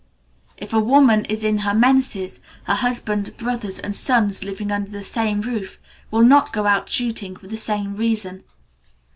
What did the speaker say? If a woman is in her menses, her husband, brothers, and sons living under the same roof, will not go out shooting for the same reason.